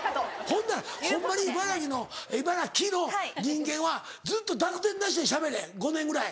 ほんならホンマにいばらぎのいばらきの人間はずっと濁点なしでしゃべれ５年ぐらい。